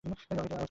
অনেক আওয়াজ করছে।